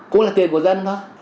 cũng là tiền của dân thôi